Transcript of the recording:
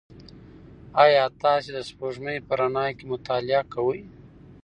ایا تاسي د سپوږمۍ په رڼا کې مطالعه کوئ؟